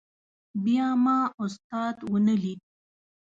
بیا ما استاد ونه لید.